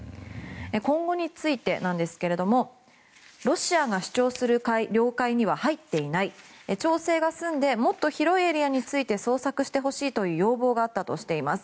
今後についてなんですがロシアが主張する領海には入っていない調整が済んでもっと広いエリアについて捜索してほしいという要望があったとしています。